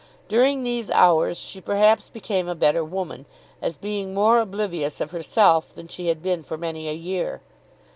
During these hours she perhaps became a better woman, as being more oblivious of herself, than she had been for many a year.